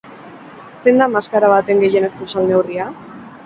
Zein da maskara baten gehienezko salneurria?